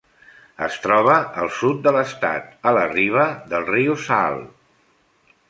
Es troba al sud de l'estat a la riba del riu Saale.